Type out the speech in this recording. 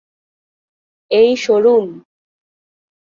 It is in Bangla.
এই, সরুন!